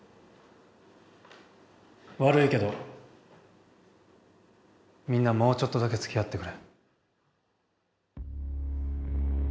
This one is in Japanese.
悪いけどみんなもうちょっとだけつきあってくれ。